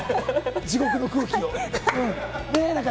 地獄の空気を。